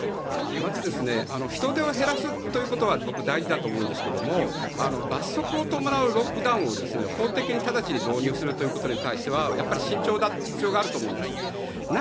まず人出を減らすということは僕は大事だと思うんですが罰則を伴うロックダウンを法的に直ちに導入するということに関してはやっぱり慎重である必要があると思うんです。